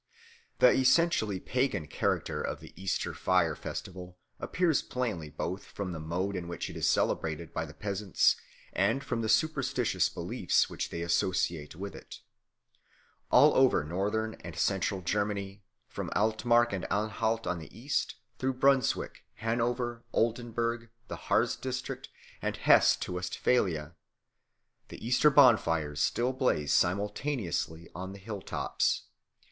The essentially pagan character of the Easter fire festival appears plainly both from the mode in which it is celebrated by the peasants and from the superstitious beliefs which they associate with it. All over Northern and Central Germany, from Altmark and Anhalt on the east, through Brunswick, Hanover, Oldenburg, the Harz district, and Hesse to Westphalia the Easter bonfires still blaze simultaneously on the hill tops.